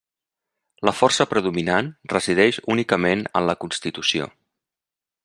La força predominant resideix únicament en la constitució.